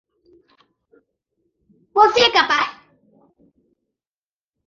Você deve ver o outro cara? especificamente? como ele é bom em lutar.